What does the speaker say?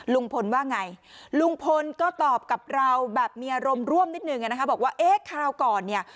ลุงพลว่าไงลุงพลก็ตอบกับเราแบบมีอารมณ์ร่วมนิดนึงนะคะบอกว่าเอ๊ะคราวก่อนเนี่ย